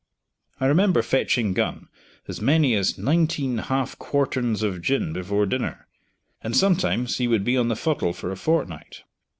I remember fetching Gun as many as nineteen half quarterns of gin before dinner, and sometimes he would be on the fuddle for a fortnight.